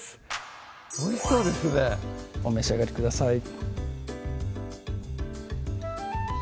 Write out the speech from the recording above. おいしそうですねお召し上がりください